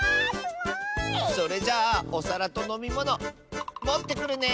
それじゃあおさらとのみものもってくるね！